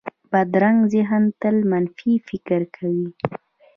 بدرنګه ذهن تل منفي فکر کوي